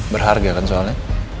berharga kan soalnya